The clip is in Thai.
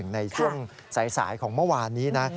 ในช่วงสายของเมื่อวานนี้นะ